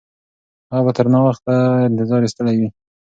هغه به تر ناوخته انتظار ایستلی وي.